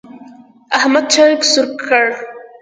احمد چرګ سور کړ.